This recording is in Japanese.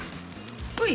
ほい！